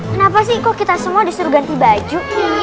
kenapa sih kok kita semua disuruh ganti baju